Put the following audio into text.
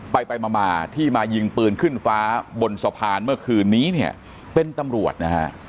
ไปมาที่มายิงปืนขึ้นฟ้าบนสะพานเมื่อคืนนี้เป็นตำรวจ